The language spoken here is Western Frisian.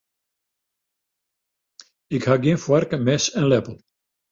Ik ha gjin foarke, mes en leppel.